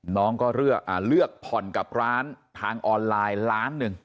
น้องก็เลือกผ่อนกับร้านทางออนไลน์ล้านหนึ่ง